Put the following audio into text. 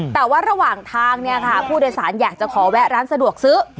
แต่ว่าระหว่างทางเนี่ยค่ะผู้โดยสารอยากจะขอแวะร้านสะดวกซื้อ